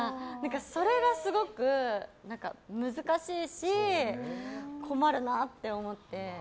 それがすごく難しいし困るなって思って。